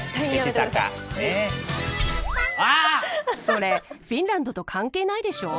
それフィンランドと関係ないでしょ。